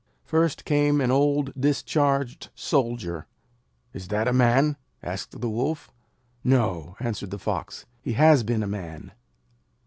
First came an old discharged soldier. 'Is that a Man?' asked the Wolf. 'No,' answered the Fox. 'He has been a Man.'